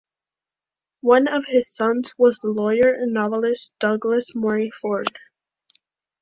One of his sons was the lawyer and novelist Douglas Morey Ford.